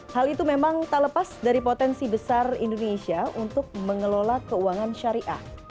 hal itu memang tak lepas dari potensi besar indonesia untuk mengelola keuangan syariah